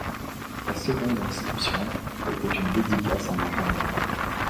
La seconde inscription était une dédicace en araméen.